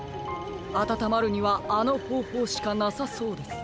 あたたまるにはあのほうほうしかなさそうです。